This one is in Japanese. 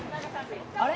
あれ？